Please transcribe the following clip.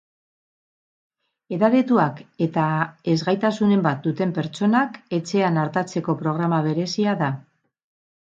Edadetuak eta ez-gaitasunen bat duten pertsonak etxean artatzeko programa berezia da.